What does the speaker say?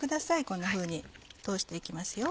こんなふうに通して行きますよ。